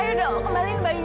semuanya gampang beruntung ini